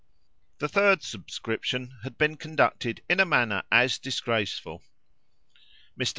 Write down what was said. The third subscription had been conducted in a manner as disgraceful. Mr.